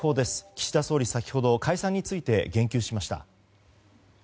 岸田総理は先ほど解散について言及しました。